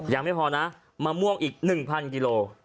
ยังไม่พอนะมะม่วงอีก๑๐๐กิโล